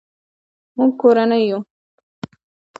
مونږ کورنۍ یو